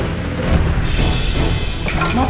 mau pak mau kok